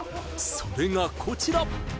それがこちら！